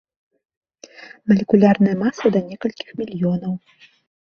Малекулярная маса да некалькіх мільёнаў.